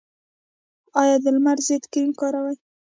ایا د لمر ضد کریم کاروئ؟